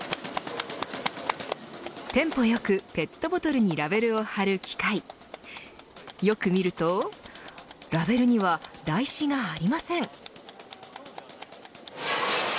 テンポよくペットボトルにラベルを貼る機械よく見るとラベルには台紙がありません。